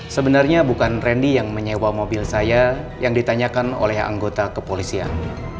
sebenarnya bukan randy yang menyewa mobil saya yang ditanyakan oleh anggota kepolisian